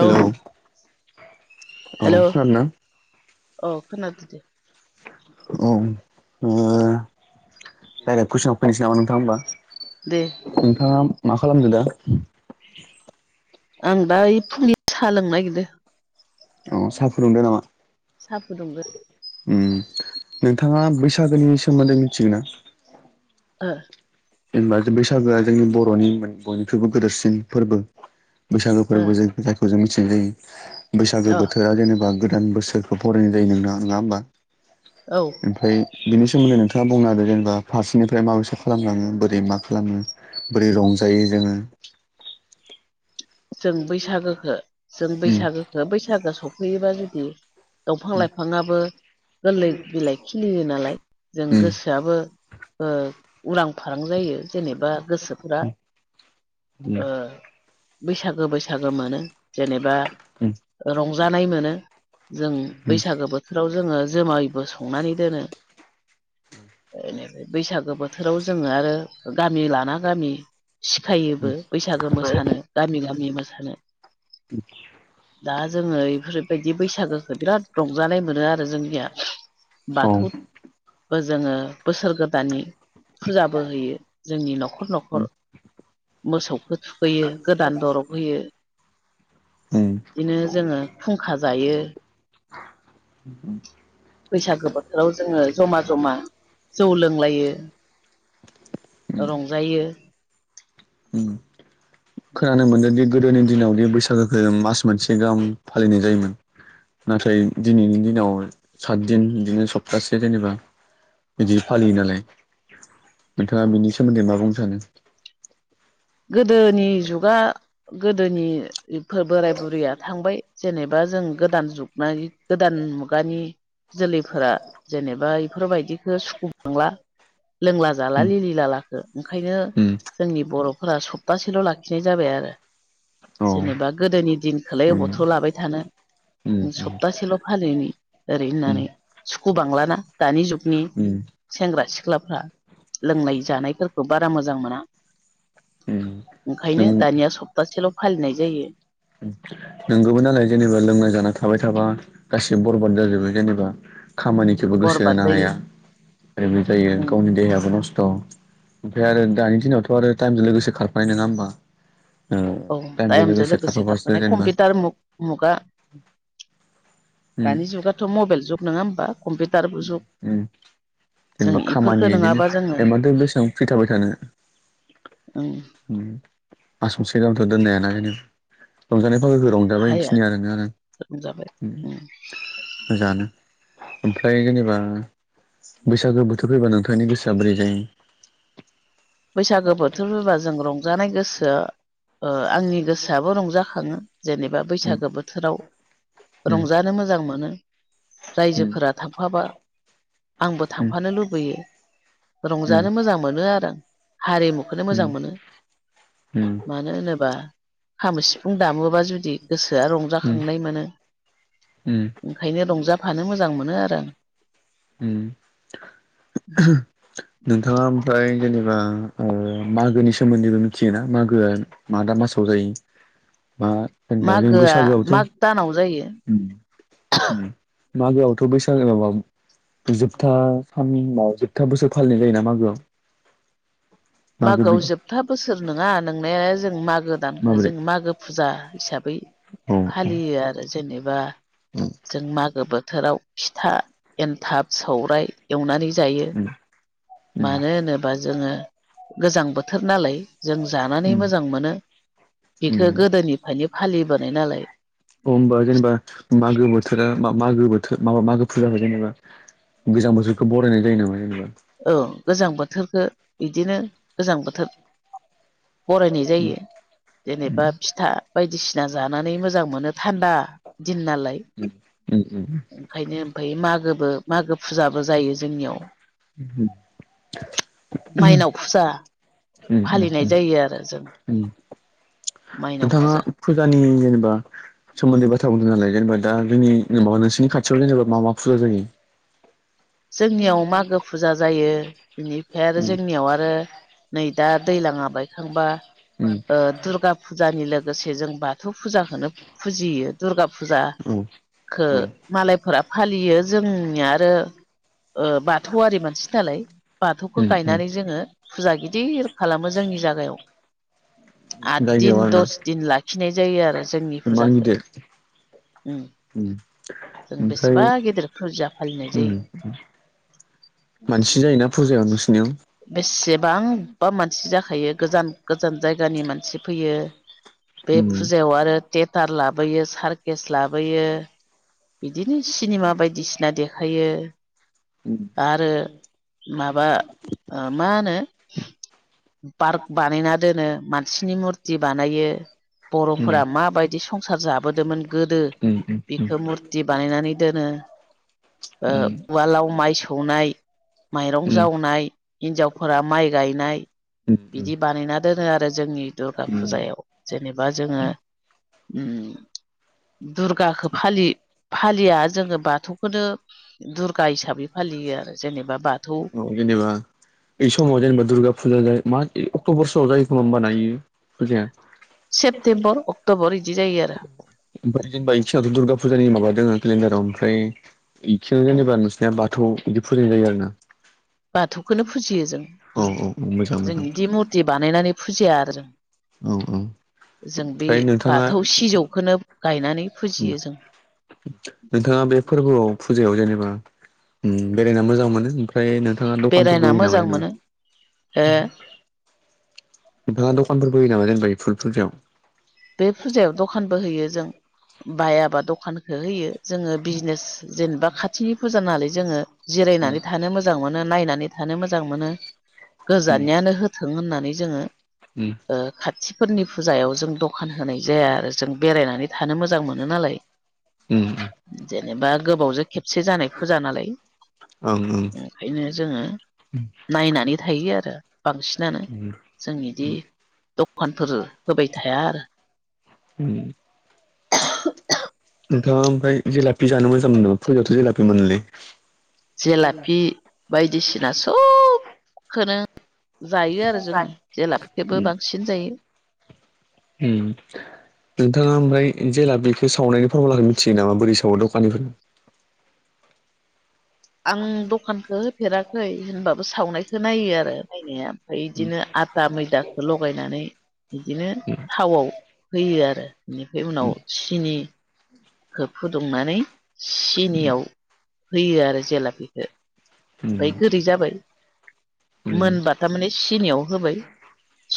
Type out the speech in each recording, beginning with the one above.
हेल' hello औ खोनादों दे औ नोङो दाइरेक्ट कुइसनाव फैनोसै नामा नोंथां होमबा दे नोंथाङा मा खालामदो दा आं दा ओइ फुंनि साहा लोंनो नागिरदो अ सा फुदुंदो नामा साहा फुदुंदो ओम नोंथाङा बैसागोनि सोमोन्दै मिथियो ना ओ जेनेबा जे बैसागोआ जोंनि बर'नि बयनिख्रुइबो गेदेरसिन फोरबो बैसागो ओ फोरबो जा जायखौ जों मिथिनाय जायो बैसागो अ बोथोरा जेनेबा गोदान बोसोर बेखौ बरायनाय जायो नों नङा होमबा औ ओमफ्राय बेनि सोमोन्दै नोंथा ङा बुंना होदो जेनेबा फारसेनिफ्राय माबेसे खालामलाङो बोरै मा खालामो बोरै रंजायो जोङो जों बैसागोखौ जों उम बैसागोखौ बैसागो सौफैयोबा जुदि दंफां लाइफाङाबो गोरलै बिलाइ खिलियो नालाय जों गोसो उम गोसोआबो ओ उरां फारां जायो जेनेबा गोसोफ्रा उम ओ बैसागो बैसागो मोनो जेनेबा उम उम रंजानाय मोनो जों उम बैसागो बोथोराव जोङो जोमायबो संनानै दोनो बेनिफ्राय बैसागो बोथोराव जोङो आरो गामि लाना गामि सिखाइयोबो बैसागो मोसानो गामि गामि मोसानो [unintelligible] दा जोङो एफोरबायदि बैसागोखौ बिराद रंजानाय मोनो आरो जोंनिया औ बाथौबो जोङो बोसोर गोदाननि फुजाबो होयो जोंनि नखर नखर मोसौखौ थुखैयो दा दरब होयो उम बिदिनो जोङो खुंखा जायो [inaudible] बैसागो बोथोराव जोङो जमा जमा जौ लोंलायो रंजायो उम खोनानो मोनदोंदि गोदोनि दिनावदि बैसागोखौ जों मास मोनसे गाहाम फालिनाय जायोमोन नाथाय दिनैनि दिनाव सात दिन बिदिनो सप्तासे जेनेबा बिदि फालियो नालाय नोंथाङा बिनि सोमोन्दै मा बुंनो सानो गोदोनि जुगा गोदोनि बोराय बुरैया थांबाय जेनेबा जों गोदान जुग मानि गोदान मुगानि जोलैफोरा जेनेबा इफोरबायदिखौ सुखुखांला लोंला जाला उम लिलि लालाखो ओंखायनो उम जोंनि बर'फोरा सब तासेल' लाखिनाय जाबाय आरो औ जेनेबा गोदोनि दिनखौलाय उम अबावथ' लाबाय थानो उम सप्तासेल' फालिनि ओरै उम होननानै सुखुबांलाना दानि जुगनि उम सेंग्रा सिख्लाफ्रा लोंनाय जानायफोरखौ बारा मोजां मोना उम नों ओंखायनो दानिया सप्तासेल' फालिनाय जायो [unintelligible] नोंगौबो नालाय जेनेबा लोंना जाना थाबाय थाबा गासिबो बरबाद जाजोबो जेनेबा खामानि जोबो गोसो बरबाद होनो जायो हाया आरो बे जायो उम गावनि देहायाबो नस्थ' ओमफ्राय आरो दानि दिनावथ' आरो टाइमजों लोगोसे खारफानाय नङा होमबा ओ औ टाइमजों लोगोसे खारफानाय कम्पिउटार मु मुगा उम दानि जुगाथ' मबाइल जुग नङा होमबा कम्पिउटारबो जुग उम जों जेनेबा इफोरखो खामानि इदिनो नङाबा जोङो इमानथो बेसेबां फ्रि थाबाय थानो ओ ओ मास मोनसे गाहामथ' दोननो हायाना एनो रंजानायफ गोहो रंजाबाय हाया बेखिनि आरोना आरो रंजाबाय उम मोजानो ओमफ्राय जेनेबा बैसागो बोथोर फैबा नोंथांनि गोसोआ बोरै जायो? बैसागो बोथोर फबा जों रंजानाय गोसोआ ओ आंनि गोसोआबो रंजाखा खाङो जेनेबा बैसागो बोथोराव उम रंजानो मोजां मोनो उम रायजोफोरा थाफाबा आंबो उम उम थांफानो लुबैयो उम रंजानो मोजां मोनो आरो आं। हारिमुखौनो मोजां उम मोनो उम मानो होनोबा खामो सिफुं दामोबा जुदि गोसोआ उम रंजाखांनाय मोनो। उम ओंखायनो रंजाफानो मोजां मोनो आरो आं। [inaudible] नोंथाङा ओमफ्राय जेनेबा मागोनि सोमोन्दैबो मिथियोना मागोआ मादा मासाव जायो बा होनेनबा जों मागोआ माग बैसागोआवथ' दानाव जायो मागोआवथ' बैसागो माबा जोबथा सान जोबथा बोसोर फालिनाय जायोना मागोआव। मागो बि मागोआव जोबथा बोसोर नङा नोंनाया जों मागो भदानखौो माबोरै जोो मागो फुजा हिसाबै औ फालियो आरो जेनेबा [inaudible] जों मागो बोथोराव फिथा एनथाब सौराइ एवनानै जायो मानो होनोबा जोङो गोजां बोथोर नालाय। जों जानानै उम मोजां मोनो बेखौ उम अ गोदोनिफ्रायनो फालिबोनाय नालाय। हबा जेनेबा मागो बोथोरा मागो बोथोर माबा मागो फुजाखौ जेनेबा गोजां बोसोरखौ बरायनाय जायो नामा जेनेबा औ गोजां बोथोरखौ बिदिनो गोजां बोथोर फायनाय जायो उम जेनेबा फिथा बायदिसिना जानानै मोजां मोनो थान्दा दिन नालाय। [inaudible] ओमफफ्राय मागोबो मागो फुजाबो जायो जोंनियाव। [inaudible] माइनाव फुजा फालिनाय उम जायो आरो जों। उम माइनाव नोंथाङा फुजा फुजानि जेनेबा सोमोन्दै बाथ्रा बुंदों नालाय जेनेबा जों माबा नोंसोरनि खाथियावल जेनेबा मा फुजा जायो? जोंनियाव मागो फुजा जायो बेनिफ्राय आरो उम जोंनियाव आरो नै दा दैलाङा बायखांबा उम ओ दुर्गा फु फुजानि लोगोसे जों बाथौ फुजाखौनो फुजियो। दुर्गा औ फुजाखौ औ मालायफोरा फालियो जोंनि आरो ओ बाथौआरि मानसि नालाय बाथौखौ उम उम गायनानै जोङो फुजा गिदिर खालामो जोंनि जायगायाव आठ दिन जायगायाव आरोना दस दिन लाखिनाय जायो आरो जोंनि इमान फुजाखौ। गिदिर उम जों ओमफ्राय बेसेबा गिदिर फुजा फालिनाय उम जायो। मानसि [inaudible] [unintelligible] बेसेबांबा मानसि जाखायो गोजान गोजान जायगानि मानसि फैयो। बे उम फुजायाव आरो थेटार लाबोयो सारकेस लाबोयो। बिदिनो सिनेमा बायदिसिना देखायो उम आरो माबा मा होनो? पार्क बानायना दोनो मानसिनि मुरथि बानायो। उम बर'फोरा उम माबायदि संसार जाबोदोंमोन गोदो उम बिखौ मुरथि बानायनानै दोनो। उवालाव माइ सौनाय माइरं उम उम जावनाय हिनजावफोरा माइ गायनाय उम बिदि बानायना दोनो आरो जोंनि दुर्गा उम फुजायाव जेनेबा जोङो। दुर्गाखौ फालि फालिया जोङो बाथौखौनो दुर्गा हिसाबै फालियो आरो जेनेबा बाथौ। औ जेनेबा बे समाव जेनबा दुर्गा फुजा जायो मा अक्ट'बरसोआव जायो खोमा होनोमबा नायो फुजाया। सेप्तेम्बर अक्ट'बर बिदि जायो आरो। ओमफ्राय जेनबा सिवथ' दुर्गा फुजानि माबा दङ केलेन्डाराव ओमफ्राय बेखिनि जेनेबा नोंसनिया बाथौ बिदि फुजिनाय जायो आरो ना बाथौखौनो फुजियो जों औ औ औ मोजां जों मोजां बिदि मुरथि बानायनानै फुजिया आरो जों औ औ। जों बे ओमफ्राय नोंथाङा बाथौ सिजौखौनो गायनानै फुजियो जों नोंथाङा बे फोरबोआव फुजायाव जेनेबा बेरायना मोजां मोनो। ओमफ्राय नोंथाङा दखानफोरबो बेरायना होयो नामा मोजां जों मोनो ओ नोंफाङा दखानफोरबो होयो नामा जेनबा बे फुजायाव बे फुजायाव दखानबो होयो जों बायाबा दखानखौ होयो। जोङो बिजनेस जेनेबा खाथिनि फुजााल जोङो जिरायनानै थानो मोजां मोजां मोनो नायनानै थानो मोजां मोनो गोजाननियानो होथों होननानै जोङो उम। खाथिफोरनि फुजायाव जों दखान होनाय जाया आरो जों बेरायनानै थानो मोजां मोनो नालाय उम। जेनेबा गोबावजों खेबसे जानाय फुजा नालाय ओंखायनो जोङो नायनानै थायो आरो बांसिन बिानो जों बिदि दखानफोर होबाय थाया आरो उम। नोंथाङा ओमफ्राय जेलाफपि जानो मोजां मोनो फैयावथ' जेलाफपि मोनलै जेलाफि बायदिसिना सबखौनो जायो आरो जोङो जेला फखेबो बांसिन जायो। उम। नोंथाङा ओमफ्राय जेला बेखौ सावनायनि फरमुलाखौ मिथियो नामा बोरै सावो दखाननिफोर आं दखानखौ होफेराखै होनबाबो सावनायखौ नायो आरो नायनाया ओमफ्राय बिदिनो आ दा मैदाखौ लगायनानै बिदिनो थावआव होयो आरो। बेनिफ्राय उनाव सिनि फुदुंनानै सिनियाव होयो आरो जेला बेखौ ओमफ्राय गोरै जाबाय मोनबा थारमाने सिनियाव होबाय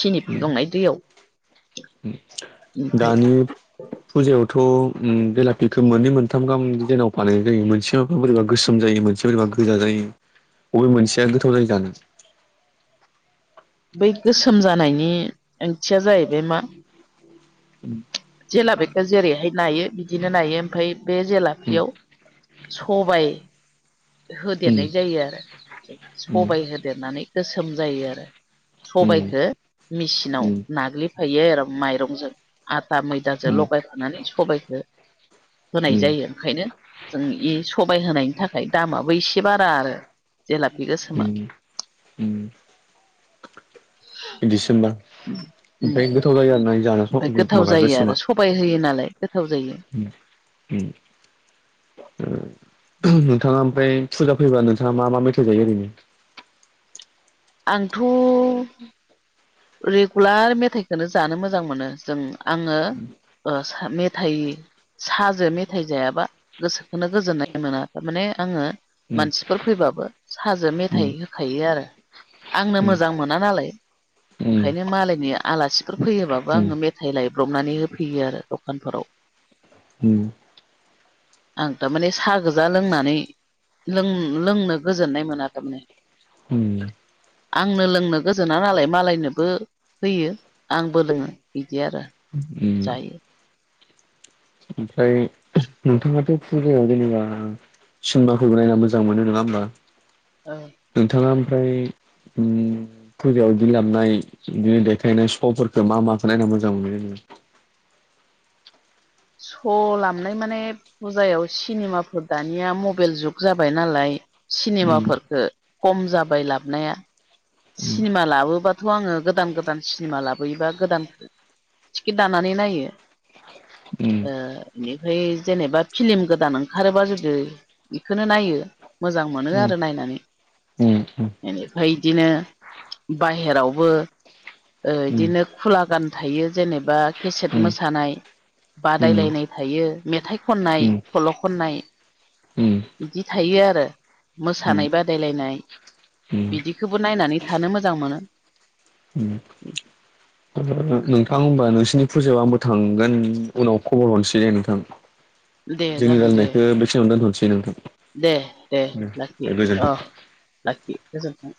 सिनि फुदुंनाय दैयाव ओमफ्राय दानि फुजायावथ' बेलाफिखौ मोननै मोनथाम गाहाम जनाव फालिनाय जायो मोनसे माबा बोरैबा गोसोम जायो मोनसे सोरबा गोजा जायो बबे मोनसेया गोथाव जायो जानो। बै गोसोम जानायनि ओंथिया जाहैबाय मा जेलाफखौ जेरैहाय नायो बिदिनो नायो ओमफ्राय बे जेलापियाव सबाय होदेरनाय जायो आरो। सबाय होदेरनानै गोसोम जायो आरो सबायखौ मेसिनाव नाग्लिफायो आरो माइरंजों आथा मैदाजों लगायफानानै सबायखौ होनाय जायो। ओंखायनो जों बे सबाय होनायनि थाखाय दामाबो एसे बारा आरो जेलापि गोसोमा जानो दिडसिम्बार उम ओमफ्राय गोथाव उम जायो आरो ना जान ओमफ्राय गोथाव जायो आरो सबाय होयो नालाय गोथाव जायो। नोंथाङा ओमफाय फुजा फयोब्ला नोंथा मा मेथाइ जायो ओरनो। आंथ' रेगुलार मेथाइखौनो जानो मोजां मोनो जों आङो ओ मेथाइ साजों मेथाइ जायाबा गोसोखौोननो गोजोननाय मोना थारमाने आङो मानसिफोर फैबाबो साजो उम मेथाइ होखायो आरो आंनो उम मोजां मोना नालाय। उम ओंखायनो मालायनि आलासिफोर फैयोबाबो आङो मेथाइ लायब्रबनानै होफैयो आरो दखानफोराव। उम आं थारमाने साहा गोजा लोंनानै लोंनो गोजोननाय मोना थारमाने। उम आंनो लोंनो गोजोना नालाय। मालायनोबो होयो आंबो लोङो बिदि आरो। उम उम जायो ओमफ्राय नोंथाङाथ' फुजायाव जेनेबा सिनेमाखौ नायना मोजां मोनो नङा होनोमबा? [unintelligible] नोंथाङा ओमफ्राय उम फुजायाव बिदि लाबनाय बिदिनो देखायनाय श'फोरखौ मा माखौ नायना मोजां मोनो। स' लामनाय माने फजायाव सिनेमाफोर दानिया मबाइल जुग जाबाय नालाय। उम सिनेमाफोरफोरखौ खम जाबाय लाबोना उम सिनेमा लाबोबाथ' आङो गोदान गोदान सिनेमा लाबोयोबा गोदान टिकेट दानानै नायो उम ओ बेनिफ्राय जेनेबा फिलिम गोदान ओंखारोबा जुदि बेखौो नायो मोजां मोनो आरो नायनानै उम बेनिफ्राय बिदिनो बाहेरावबो इदिनो खुला गान थायो जेनेबा केसेट मोसानाय। बादायलायनाय थायो मेथाइ खननाय उम उम सल' खननाय उम बिदि थायो आरो उम मोसानाय बादायलायनाय। बिदिखौबो नायनानै थानो मोजां मोनो। उम नोंथां होमबा नोंसिोरनि फुजायाव आंबो थांगोन उनाव खबर हरसै जे नोंथां। दे जोंनि जागोन दे रायलायनायखौ बे समाव दोनथ'नोसै नोंथां। दे दे लाखि गोजोन्थों अ लाखि गोजोनथों।